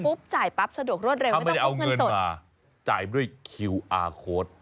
จริงปุ๊บจ่ายปั๊บสะดวกรวดเร็วไม่ต้องคุ้มเงินสดถ้าไม่ได้เอาเงินมาจ่ายด้วยคิวอาร์โค้ด